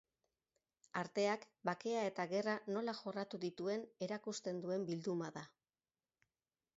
Arteak bakea eta gerra nola jorratu dituen erakusten duen bilduma da.